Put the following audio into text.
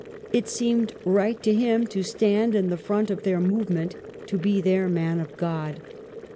It seemed right to him to stand in the front of their movement, to be their Man of God.